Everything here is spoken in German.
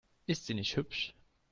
Ist sie nicht hübsch?